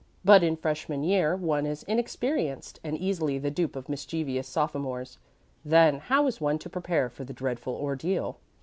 But in freshman year one is inexperienced and easily the dupe of mischievous sophomores. Then how is one to prepare for the dreadful ordeal?